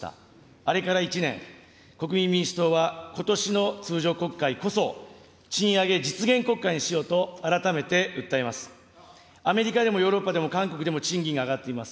あれから１年、国民民主党はことしの通常国会こそ、賃上げ実現国会にしようと、改めて訴えます。